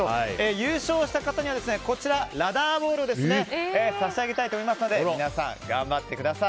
優勝した方にはラダーボールを差し上げたいと思いますので皆さん、頑張ってください。